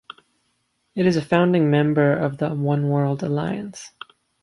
It is a founding member of the Oneworld alliance.